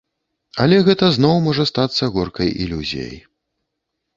Але гэта зноў можа стацца горкай ілюзіяй.